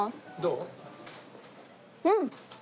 うん。